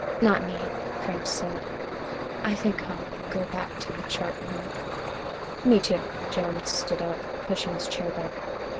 "Not me," French said. "I think I'll go back to the chart room." "Me, too." Jones stood up, pushing his chair back.